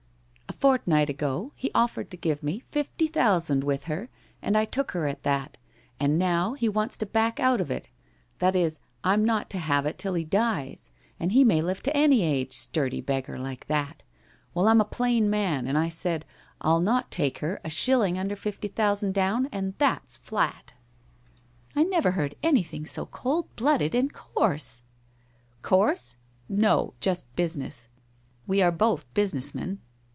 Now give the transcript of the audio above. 'A fortnight ago he offered to give me fifty thousand with her and I took her at that, and now he wants to back out of it— that is, I'm not to have it till he dies, and he may live to any age — sturdy beggar like that ! Well, I'm a plain man, and I said, I'll not take her a shilling under fifty thousand down, and that's flat !'' I never heard anything so cold blooded and coarse !*' Coarse ? No, just business ! We are both business men.